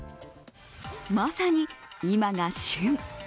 まさに今が旬。